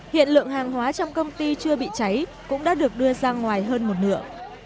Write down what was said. hiện lượng hàng hóa trong công ty chưa bị cháy cũng đã được đưa ra ngoài hơn một nửa